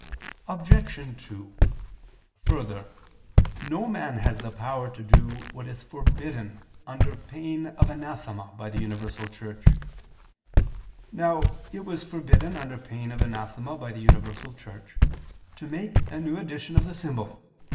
Obj. 2: Further, no man has the power to do what is forbidden under pain of anathema by the universal Church. Now it was forbidden under pain of anathema by the universal Church, to make a new edition of the symbol.